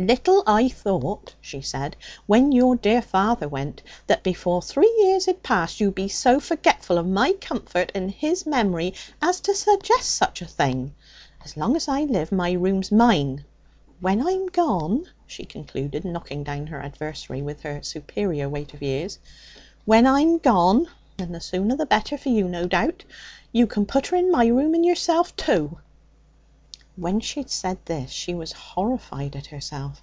'Little I thought,' she said, 'when your dear father went, that before three years had passed you'd be so forgetful of my comfort (and his memory) as to suggest such a thing. As long as I live, my room's mine. When I'm gone,' she concluded, knocking down her adversary with her superior weight of years 'when I'm gone (and the sooner the better for you, no doubt), you can put her in my room and yourself, too.' When she had said this she was horrified at herself.